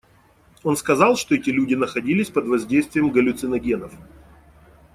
Он сказал, что эти люди находились под воздействием галлюциногенов.